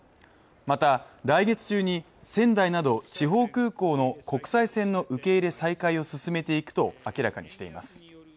また、来月中に仙台など地方空港の国際線の受け入れ再開を進めていくと明らかにしています。